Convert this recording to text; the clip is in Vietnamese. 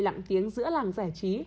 lặng tiếng giữa làng giải trí